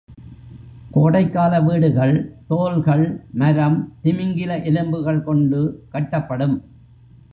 கோடைக்கால வீடுகள், தோல்கள், மரம், திமிங்கல எலும்புகள் கொண்டு கட்டப்படும்.